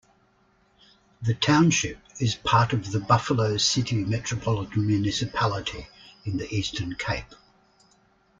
The township is part of the Buffalo City Metropolitan Municipality in the Eastern Cape.